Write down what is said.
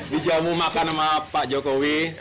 dijamu makan sama pak jokowi